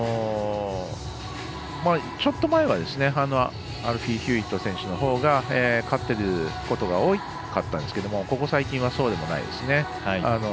ちょっと前はアルフィー・ヒューウェット選手のほうが勝っていることが多かったんですがここ最近はそうでもないですね。